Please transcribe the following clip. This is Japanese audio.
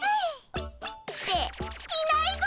っていないぞ！